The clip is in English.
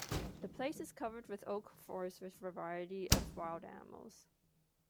The place is covered with Oak forests with variety of wild animals.